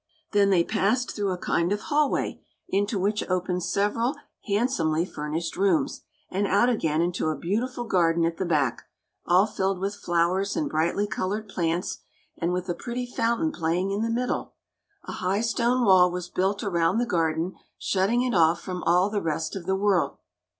Then they passed through a kind of hallway, into which opened several handsomely furnished rooms, and out again into a beautiful garden at the back, all filled with flowers and brightly colored plants, and with a pretty fountain playing in the middle. A high stone wall was built around the garden, shutting it off from all the rest of the world.